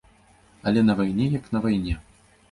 Але на вайне як на вайне.